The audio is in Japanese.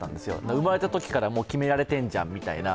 生まれたときから決められているじゃんみたいな。